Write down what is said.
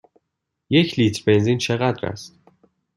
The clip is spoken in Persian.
یک لیتر بنزین چقدر است؟